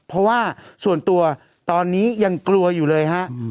เพราะว่าส่วนตัวตอนนี้ยังกลัวอยู่เลยฮะ